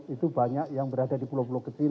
itu banyak yang berada di pulau pulau kecil